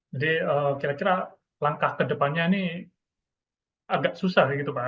jadi kira kira langkah kedepannya ini agak susah pak